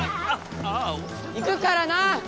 行くからな！